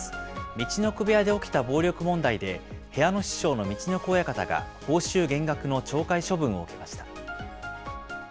陸奥部屋で起きた暴力問題で、部屋の師匠の陸奥親方が報酬減額の懲戒処分を受けました。